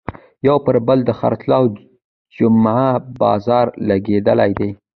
یو پر بل د خرڅلاو جمعه بازار لګېدلی دی.